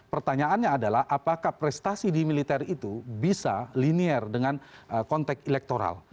pertanyaannya adalah apakah prestasi di militer itu bisa linear dengan konteks elektoral